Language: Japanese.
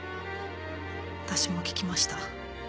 私も聞きました。